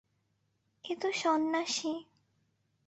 এ তো সন্ন্যাসী!